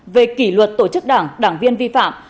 về kỷ luật tổ chức đảng đảng viên vi phạm